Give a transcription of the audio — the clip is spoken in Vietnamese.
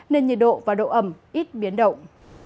nên nhiệt độ và độ ẩm ít biến động